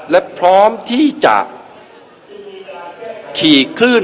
ไม่ว่าจะเป็นท่าน